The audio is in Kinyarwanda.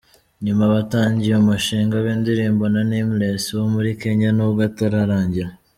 Nyuma batangiye umushinga w’indirimbo na Nameless wo muri Kenya nubwo utararangira.